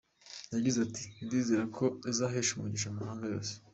Yagize ati; "Ndizera ko izahesha umugisha amahanga yose.